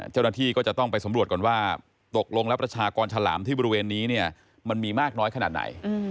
เจ้าหน้าที่ก็จะต้องไปสำรวจก่อนว่าตกลงแล้วประชากรฉลามที่บริเวณนี้เนี่ยมันมีมากน้อยขนาดไหน